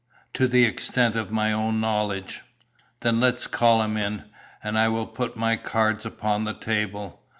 "To the extent of my own knowledge?" "Then let's call him in, and I will put my cards upon the table.